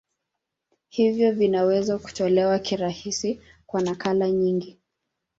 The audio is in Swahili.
Hivyo vinaweza kutolewa kirahisi kwa nakala nyingi.